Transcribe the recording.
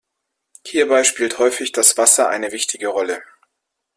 Hierbei spielt häufig das Wasser eine wichtige Rolle.